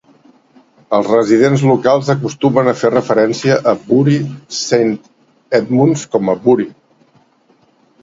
Els residents locals acostumen a fer referència a Bury Saint Edmunds com a "Bury".